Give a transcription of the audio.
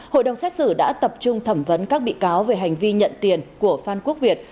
hội đồng xét xử đã tập trung thẩm vấn các bị cáo về hành vi nhận tiền của phan quốc việt